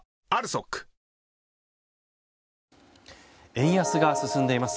円安が進んでいます。